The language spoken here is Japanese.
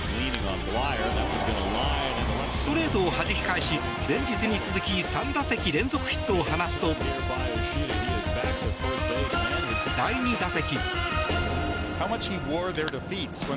ストレートをはじき返し前日に続き３打席連続ヒットを放つと第２打席。